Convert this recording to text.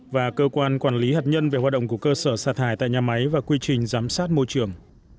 và cơ quan quản lý hạt nhân về hoạt động của cơ sở xa thải tại nhà máy và quy trình giám sát môi trường